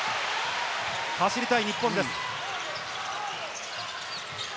走りたい日本です。